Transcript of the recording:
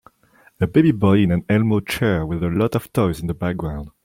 A baby boy in an elmo chair with lots of toys in the background.